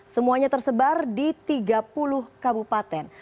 semuanya tersebar di tiga puluh kabupaten